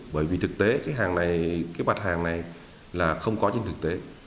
bởi vì thực tế cái hàng này cái mặt hàng này là không có trên thực tế